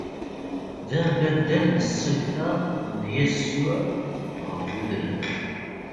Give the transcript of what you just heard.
D ambaddal n ṣṣifa n Yasuɛ ɣef udrar.